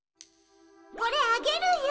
これあげるよ。